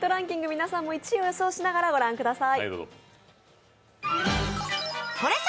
皆さんも１位を予想しながら御覧ください。